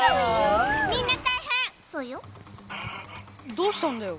どうしたんだよ？